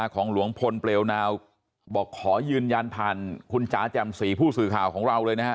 ของหลวงพลเปลวนาวบอกขอยืนยันผ่านคุณจ๋าแจ่มสีผู้สื่อข่าวของเราเลยนะฮะ